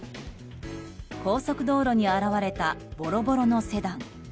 高速道路に現れたボロボロのセダン。